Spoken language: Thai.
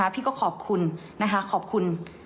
พี่ก็ขอบคุณนะคะขอบคุณ